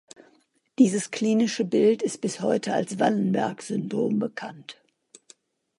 Dieses klinische Bild ist bis heute als Wallenberg-Syndrom bekannt.